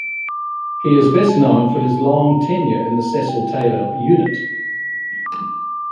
He is best known for his long tenure in the Cecil Taylor Unit.